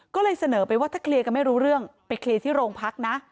ก็เลยเสนอไปว่าถ้าเคลียร์กันไม่รู้เรื่องไปเคลียร์ที่โรงพักนะ